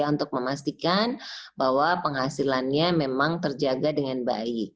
untuk memastikan bahwa penghasilannya memang terjaga dengan baik